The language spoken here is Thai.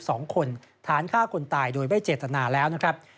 สองคนฐานฆ่าคนตายโดยไม่เจตนาแล้วนะครับ